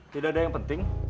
tidak ada yang penting